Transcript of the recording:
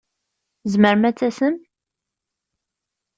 Tzemrem ad tasem?